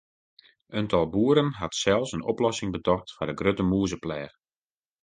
In tal boeren hat sels in oplossing betocht foar de grutte mûzepleach.